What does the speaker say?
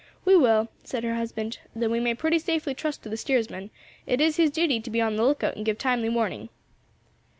"We will," said her husband; "though we may pretty safely trust to the steersman; it is his duty to be on the lookout and give timely warning."